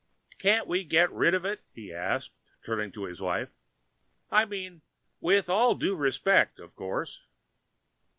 "Can't we get rid of it?" he asked, turning to his wife. "I mean, with all due respect, of course."